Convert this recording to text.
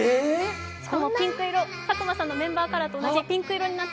しかもピンク色、佐久間さんのメンバーカラーと一緒、ピンク色。